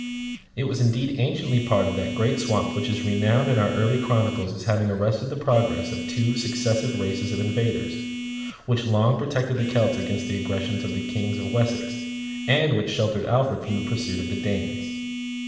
It was indeed anciently part of that great swamp which is renowned in our early chronicles as having arrested the progress of two successive races of invaders, which long protected the Celts against the aggressions of the kings of Wessex, and which sheltered Alfred from the pursuit of the Danes.